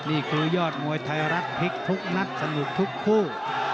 นี่คือยอดมวยไทยรัฐพลิกทุกนัดสนุกทุกคู่